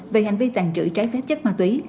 về hành vi tàn trữ trái phép chất ma túy